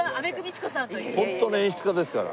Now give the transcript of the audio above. ホントの演出家ですから。